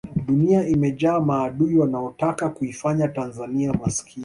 dunia imejaa maadui wanaotaka kuifanya tanzania maskini